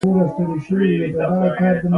کروندګر د حاصل راټولولو ته ځانګړی پام کوي